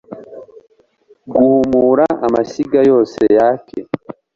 guhumura amashyiga yose yaka